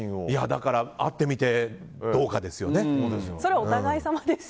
だから、会ってみてどうかですよね。